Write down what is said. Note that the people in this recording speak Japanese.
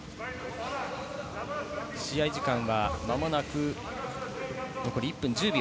試合時間は間もなく残り１分１０秒。